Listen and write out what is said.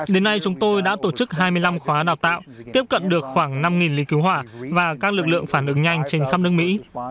đến nay chúng tôi đã tổ chức hai mươi năm khóa đào tạo tiếp cận được khoảng năm lính cứu hỏa và các lực lượng phản ứng nhanh trên khắp nước mỹ